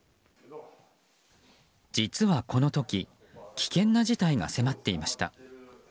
実はこの時危険な事態が迫っていました。